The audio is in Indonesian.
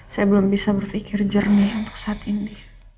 saya belum bisa berpikir jernih untuk saat ini